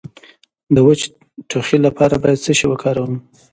د وچ ټوخي لپاره باید څه شی وکاروم؟